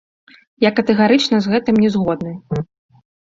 Я катэгарычна з гэтым не згодны.